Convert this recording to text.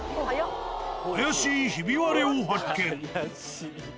怪しいひび割れを発見。